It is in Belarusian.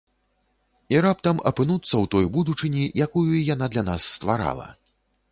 І раптам апынуцца ў той будучыні, якую яна для нас стварала.